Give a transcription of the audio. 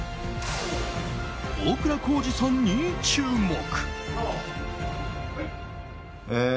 大倉孝二さんに注目。